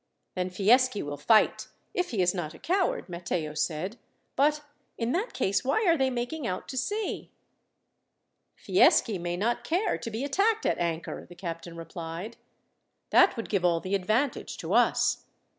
"Then Fieschi will fight, if he is not a coward," Matteo said; "but, in that case, why are they making out to sea?" "Fieschi may not care to be attacked at anchor," the captain replied. "That would give all the advantage to us.